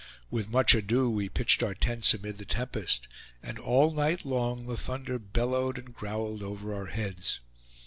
With much ado, we pitched our tents amid the tempest, and all night long the thunder bellowed and growled over our heads.